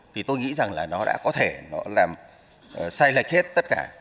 thì tôi nghĩ rằng là nó đã có thể nó làm sai lệch hết tất cả